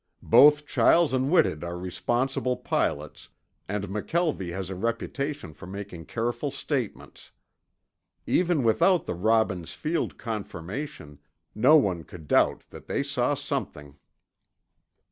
"Both Chiles and Whitted are responsible pilots, and McKelvie has a reputation for making careful statements. Even without the Robbins Field confirmation, no one could doubt that they saw something."